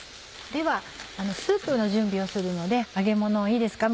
ではスープの準備をするので揚げものをいいですか？